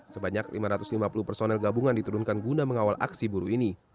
sebanyak lima ratus lima puluh personel gabungan diturunkan guna mengawal aksi buruh ini